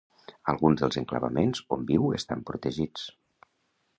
Alguns dels enclavaments on viu estan protegits.